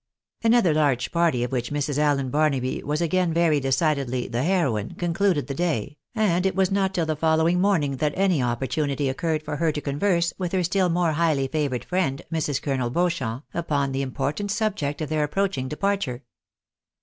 AifOTHER large party, of which Mrs. Allen Barnaby was again very decidedly the heroine, concluded the day, and it was not till the following morning that any opporunity occurred for her to converse with her still more highly favoured friend, Mrs. Colonel Beauchamp, upon the important subject of their approaching de parj; ure.